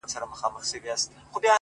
• خبرېږم زه راته ښېراوي كوې؛